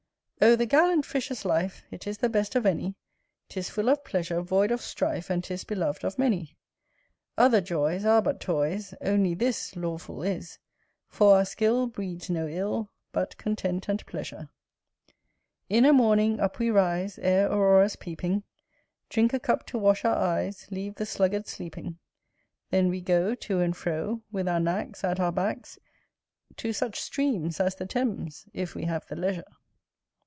O the gallant Fisher's life, It is the best of any; 'Tis full of pleasure, void of strife, And 'tis beloved of many: Other joys Are but toys; Only this Lawful is; For our skill Breeds no ill, But content and pleasure. In a morning up we rise Ere Aurora's peeping, Drink a cup to wash our eyes. Leave the sluggard sleeping; Then we go To and fro, With our knacks At our backs To such streams As the Thames If we have the leisure.